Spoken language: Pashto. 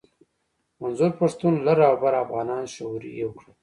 منظور پښتون لر او بر افغانان شعوري يو کړل.